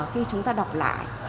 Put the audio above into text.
khi chúng ta đọc lại